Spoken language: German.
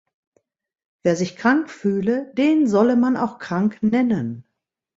Wer sich krank fühle, den solle man auch krank nennen.